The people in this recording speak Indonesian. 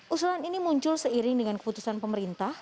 usulan ini muncul seiring dengan keputusan pemerintah